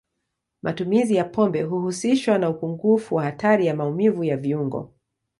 Matumizi ya pombe huhusishwa na upungufu wa hatari ya maumivu ya viungo.